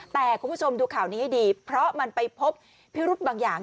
แต่คุณผู้ชมดูข่าวนี้ให้ดีเพราะมันไปพบพิรุธบางอย่าง